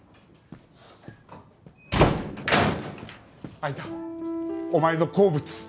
相田お前の好物